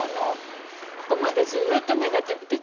ここまでずっとネガティブで来た。